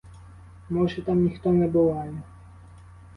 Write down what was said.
Може, там ніхто не буває.